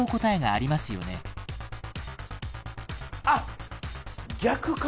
あっ！